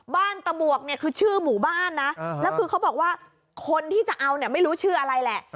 ตะบวกเนี่ยคือชื่อหมู่บ้านนะแล้วคือเขาบอกว่าคนที่จะเอาเนี่ยไม่รู้ชื่ออะไรแหละ